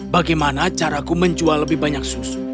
bagaimana caraku menjual lebih banyak susu